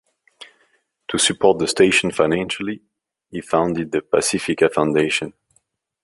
To support the station financially, he founded the Pacifica Foundation.